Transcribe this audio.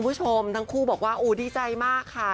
คุณผู้ชมทั้งคู่บอกว่าโอ้ดีใจมากค่ะ